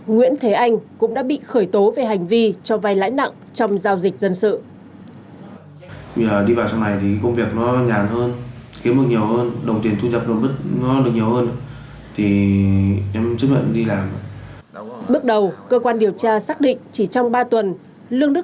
nguyễn thế anh cũng đã bị khởi tố về hành vi cho vay lãi nặng trong giao dịch dân sự